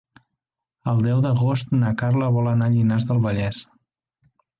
El deu d'agost na Carla vol anar a Llinars del Vallès.